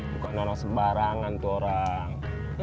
bukan nana sembarangan tuh orang